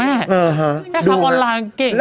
แม่ค้าออนไลน์เก่ง